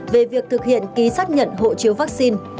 về việc thực hiện ký xác nhận hộ chiếu vaccine